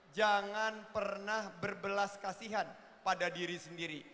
jangan pernah berbelas kasihan pada diri sendiri